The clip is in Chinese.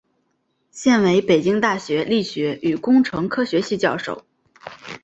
现为北京大学力学与工程科学系教授。